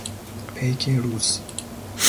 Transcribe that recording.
پیک روز